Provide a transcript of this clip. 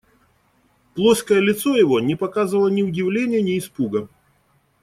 Плоское лицо его не показывало ни удивления, ни испуга.